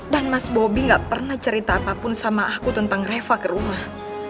dan mas bobby gak pernah cerita apapun sama aku tentang reva ke rumah